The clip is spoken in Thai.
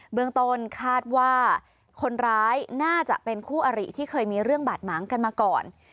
เมืองต้นคาดว่าคนร้ายน่าจะเป็นคู่อริที่เคยมีเรื่องบาดหมางกันมาก่อน